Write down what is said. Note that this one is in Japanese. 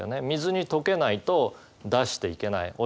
水に溶けないと出していけない。